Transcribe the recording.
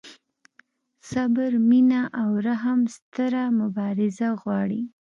صبر، مینه او رحم ستره مبارزه غواړي.